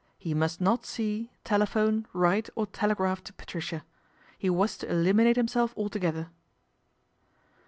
He must not see, telephone, write or telegraph to Patricia. He was to eliminate himself altogether.